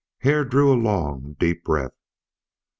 Hare drew a long, deep breath.